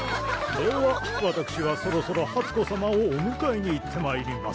ではわたくしはそろそろはつこさまをおむかえに行ってまいります